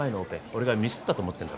俺がミスったと思ってんだろ？